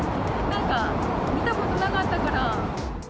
なんか見たことなかったから。